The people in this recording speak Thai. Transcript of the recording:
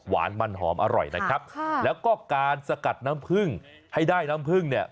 หวานมันหอมอร่อยนะครับค่ะแล้วก็การสกัดน้ำผึ้งให้ได้น้ำผึ้งเนี่ย